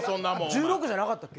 １６じゃなかったっけ。